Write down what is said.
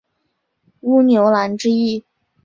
乌牛栏之役。